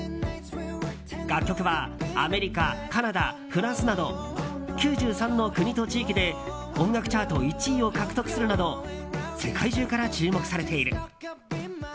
楽曲はアメリカ、カナダ、フランスなど９３の国と地域で音楽チャート１位を獲得するなど世界中から注目されている。